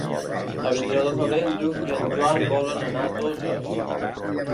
El vint-i-nou de febrer en Lluc i en Joan volen anar a Toses.